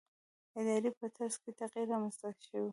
ادارې په طرز کې تغییر رامنځته نه شو.